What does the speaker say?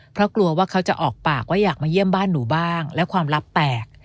เพราะกลัวว่าเขาจะออกปากว่าอยากมาเยี่ยมบ้านหนูบ้างและความลับแปลก